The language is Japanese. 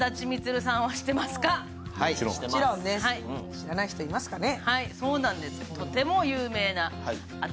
知らない人いますかね。